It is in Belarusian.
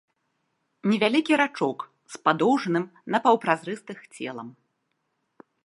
Невялікі рачок з падоўжаным напаўпразрыстых целам.